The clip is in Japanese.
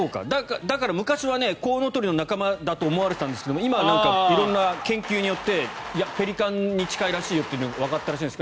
だから昔はコウノトリの仲間だと思われていたんですが今は色んな研究によってペリカンに近いらしいよっていうのがわかったらしいんです。